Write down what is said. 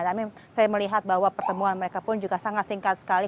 tapi saya melihat bahwa pertemuan mereka pun juga sangat singkat sekali